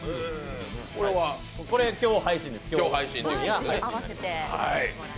これ、今日配信です。